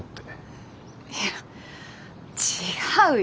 いや違うよ。